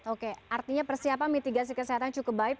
oke artinya persiapan mitigasi kesehatan cukup baik